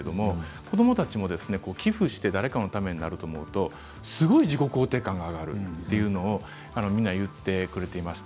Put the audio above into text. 子どもたちも寄付をして誰かのためになると思うとすごい自己肯定感が上がるというのをみんな言ってくれています。